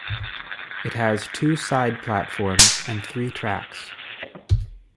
It has two side platforms and three tracks.